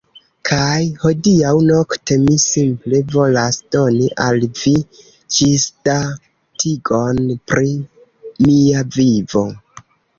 Kaj hodiaŭ nokte mi simple volas doni al vi, ĝisdatigon pri mia vivo